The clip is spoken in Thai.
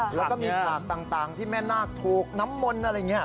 แล้วก็มีฉากต่างที่แม่นาคถูกน้ำมนต์อะไรอย่างนี้